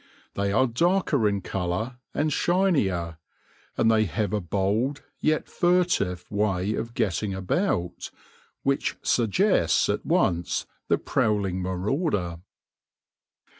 They are darker in colour and shinier ; and they have a bold, yet furtive, way of getting about, which suggests at once the prowling marauder.